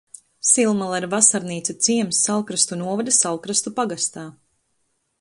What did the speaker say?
Silmala ir vasarnīcu ciems Saulkrastu novada Saulkrastu pagastā.